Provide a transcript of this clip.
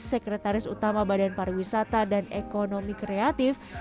sekretaris utama badan pariwisata dan ekonomi kreatif